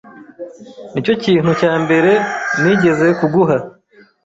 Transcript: Nicyo kintu cya mbere nigeze kuguha.